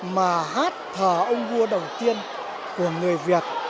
mà hát thờ ông vua đầu tiên của người việt